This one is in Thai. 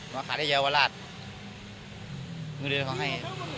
มาขาดให้เยาวราชมือเดียวเขาให้